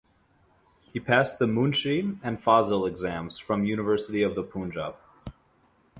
He passed the "munshi" and "fazil" exams from University of the Punjab.